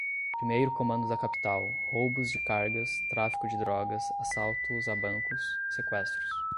Primeiro Comando da Capital, roubos de cargas, tráfico de drogas, assaltos a bancos, sequestros